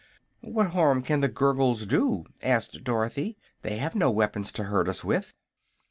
"What harm can the Gurgles do?" asked Dorothy. "They have no weapons to hurt us with."